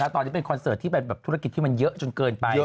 ตอนนี้เป็นคอนเสิร์ตที่เป็นธุรกิจที่มันเยอะจนเกินไป